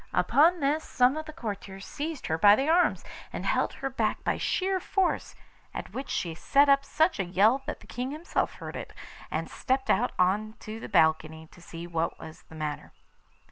Upon this some of the courtiers seized her by the arms, and held her back by sheer force, at which she set up such a yell that the King himself heard it, and stepped out on to the balcony to see what was the matter.